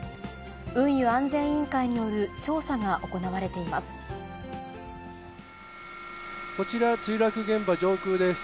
運輸安全委員会による捜査が行われています。